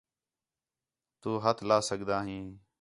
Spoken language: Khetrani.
تُو ہَتھ لا سڳدا ہیں